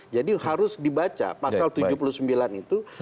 harus dibaca pasal tujuh puluh sembilan itu